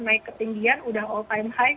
naik ketinggian udah all time high